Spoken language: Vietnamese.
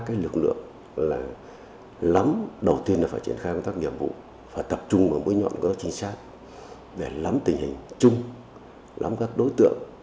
các lực lượng là lắm đầu tiên là phải triển khai các nghiệp vụ phải tập trung vào mối nhọn có chính xác để lắm tình hình chung lắm các đối tượng